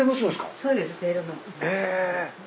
え。